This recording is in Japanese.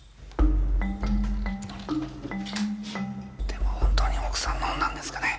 でも本当に奥さん飲んだんですかね？